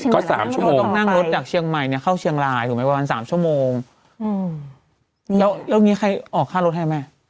ก็สามชั่วโมงต้องนั่งรถจากเชียงใหม่เนี่ยเข้าเชียงรายถูกไหมประมาณสามชั่วโมงแล้วเรื่องนี้ใครออกค่ารถให้แม่